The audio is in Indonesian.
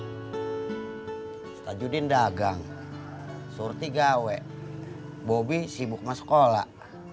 ustaz judin dagang surti gawe bobi sibuk mah sekolah